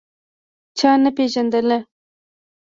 چا نه پېژندله.